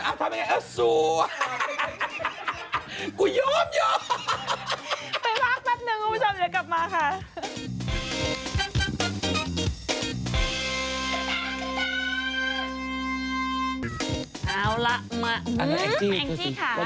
ขอบคุณแม่ค่ะดูเสื้อสินค้านิดหนึ่งกับเสื้อหนูค่ะ